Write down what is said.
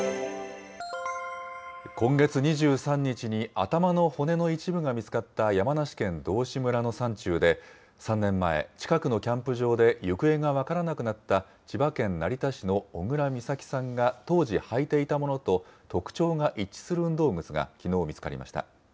今月２３日に頭の骨の一部が見つかった山梨県道志村の山中で、３年前、近くのキャンプ場で行方が分からなくなった千葉県成田市の小倉美咲さんが、当時履いていたものと特徴が一致する運動靴がきのう見つかりました。